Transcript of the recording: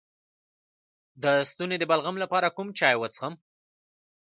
د ستوني د بلغم لپاره کوم چای وڅښم؟